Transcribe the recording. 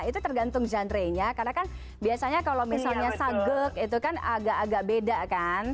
itu tergantung genre nya karena kan biasanya kalau misalnya sage itu kan agak agak beda kan